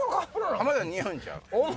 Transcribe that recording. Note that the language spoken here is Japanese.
浜田似合うんちゃう？